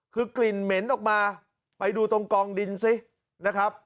คือกลิ่นเหม็นออกมาไปดูตรงกองดินสินะครับ